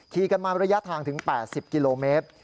กันมาระยะทางถึง๘๐กิโลเมตร